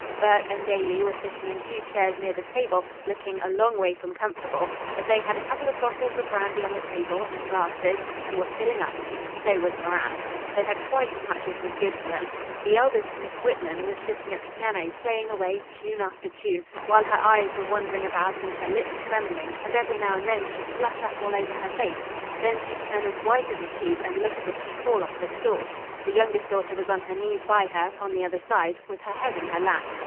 Burke and Daly were sitting in two chairs near the table, looking a long way from comfortable; but they had a couple of bottles of brandy on the table and glasses, and were filling up. So was Moran. They'd had quite as much as was good for them. The eldest Miss Whitman was sitting at the piano, playing away tune after tune, while her eyes were wandering about and her lips trembling, and every now and then she'd flush up all over her face; then she'd turn as white as a sheet, and look as if she'd fall off the stool. The youngest daughter was on her knees by her, on the other side, with her head in her lap.